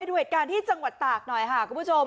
ท่านผู้ชมดูเหตุการณ์ที่จังหวัดตากหน่อยครับครับคุณผู้ชม